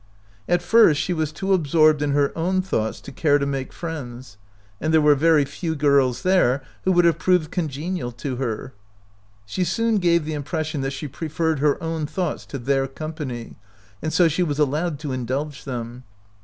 44 OUT OF BOHEMIA At first she was too absorbed in her own thoughts to care to make friends ; and there were very few girls there who would have proved congenial to her. She soon gave the impression that she preferred her own thoughts to their company, and so she was allowed to indulge them.